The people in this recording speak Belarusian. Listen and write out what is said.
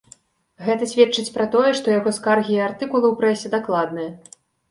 Гэта сведчыць пра тое, што яго скаргі і артыкулы ў прэсе дакладныя.